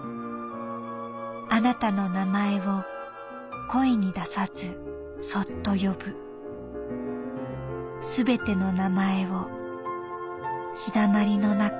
「あなたの名前を声に出さずそっと呼ぶすべての名前を陽だまりのなか